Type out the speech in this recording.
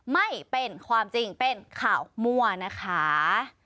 ไม่เป็นความจริงเป็นข่าวมั่วนะคะ